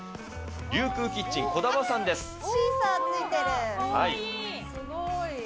琉球キッチンこだまさんです。